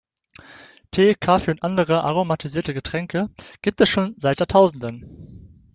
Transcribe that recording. Tee, Kaffee und andere aromatisierte Getränke gibt es schon seit Jahrtausenden.